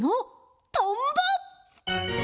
トンボ！